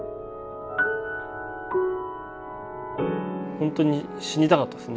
ほんとに死にたかったですね